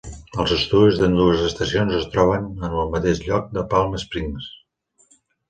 Els estudis d'ambdues estacions es troben en el mateix lloc de Palm Springs.